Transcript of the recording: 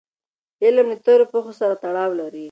غم له تېرو پېښو سره تړاو لري.